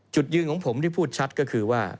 จุดยืนของผมที่พูดชัดก็คือว่า